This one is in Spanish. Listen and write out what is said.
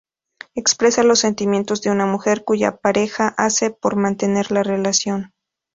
Expresa los sentimientos de una mujer cuya pareja hace por mantener la relación.